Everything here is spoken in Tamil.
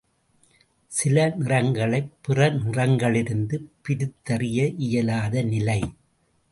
சில நிறங்களைப் பிற நிறங்களிலிருந்து பிரித்தறிய இயலாத நிலை.